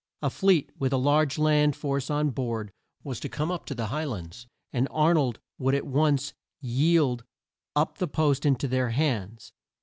A fleet, with a large land force on board, was to come up to the High lands, and Ar nold would at once yield up the post in to their hands.